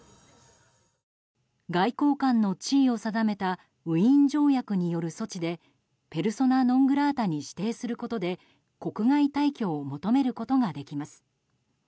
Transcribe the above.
外交官の地位を定めたウィーン条約による措置でペルソナ・ノン・グラータに指定することで国外退去を求めることができます。